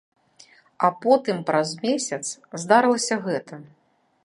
А потым праз месяц здарылася гэта.